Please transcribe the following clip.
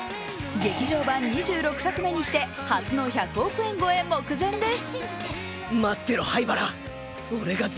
劇場版２６作目にして初の１００億円超え目前です。